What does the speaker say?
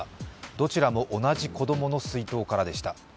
どちらも同じ子供の水筒からでした。